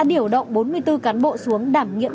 điều động bốn mươi bốn cán bộ xuống đảm nhiệm